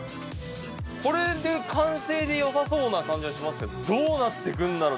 これで完成でよさそうな感じがしますけどどうなってくんだろう？